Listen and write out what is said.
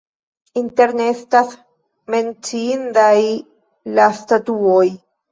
Interne estas menciindaj la statuoj.